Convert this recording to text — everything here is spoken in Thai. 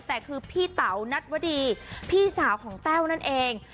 แต่คือพี่เต๋านัทวดีพี่สาวของแต้วนั่นเอง